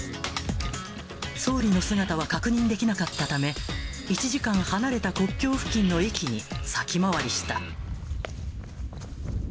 総理の姿は確認できなかったため、１時間離れた国境付近の駅に先回りした。